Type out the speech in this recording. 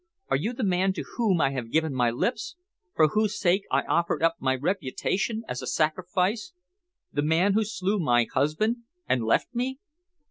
Are you the man to whom I have given my lips, for whose sake I offered up my reputation as a sacrifice, the man who slew my husband and left me?"